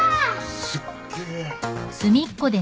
すっげえ。